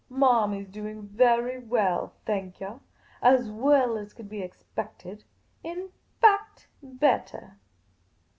" Marmy 's doing very well, thank yah ; as well as could be expected. In fact, bettah.